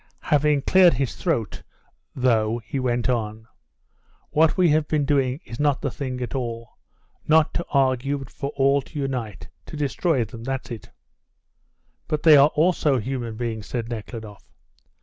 Having cleared his throat though, he went on: "What we have been doing is not the thing at all. Not to argue, but for all to unite to destroy them that's it." "But they are also human beings," said Nekhludoff.